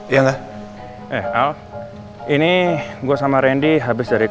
iya terima kasih banyak pak